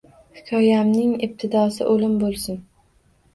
Hikoyamning ibtidosi o’lim bo’lsin.